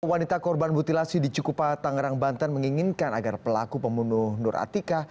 wanita korban mutilasi di cikupa tangerang banten menginginkan agar pelaku pembunuh nur atika